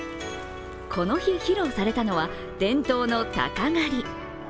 この日披露されたのは、伝統の鷹狩り。